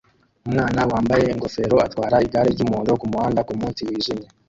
Umwana wambaye ingofero atwara igare ry'umuhondo kumuhanda kumunsi wijimye